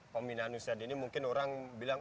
peminat indonesia di sini mungkin orang bilang